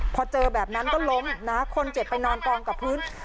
พอเจอแบบนั้นก็ล้มนะคนเจ็บไปนอนกองกับพื้น